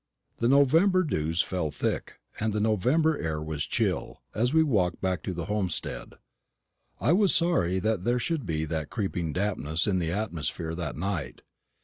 The November dews fell thick, and the November air was chill, as we walked back to the homestead. I was sorry that there should be that creeping dampness in the atmosphere that night.